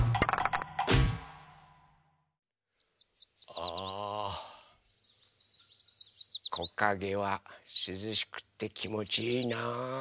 あこかげはすずしくってきもちいいなあ。